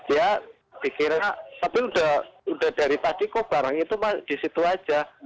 ya dikira tapi udah dari tadi kok barang itu di situ aja